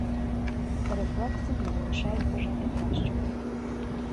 Рефлекси не залишають бажати кращого.